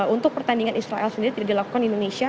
untuk pertandingan israel sendiri tidak dilakukan di indonesia